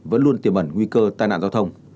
vẫn nguy cơ tai nạn giao thông